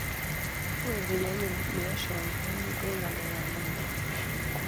koek keny anyur ne ashangani eng ngalek ab nywanduni